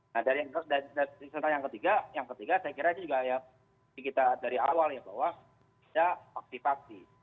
nah dari yang ketiga yang ketiga saya kira ini juga ya kita dari awal ya bahwa ada faksi faksi